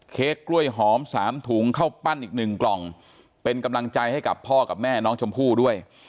กล้วยหอมสามถุงเข้าปั้นอีกหนึ่งกล่องเป็นกำลังใจให้กับพ่อกับแม่น้องชมพู่ด้วย